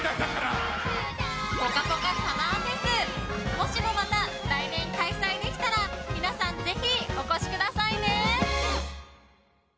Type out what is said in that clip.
もしもまた来年開催できたら皆さん、ぜひお越しくださいね。